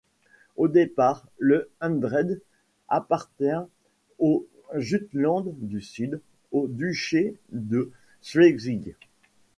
Au départ, le hundred appartient au Jutland-du-Sud, au duché de Schleswig.